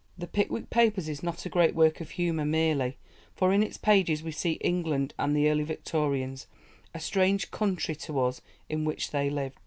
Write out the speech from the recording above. The Pickwick Papers is not a great work of humour merely, for in its pages we see England and the early Victorians a strange country to us in which they lived.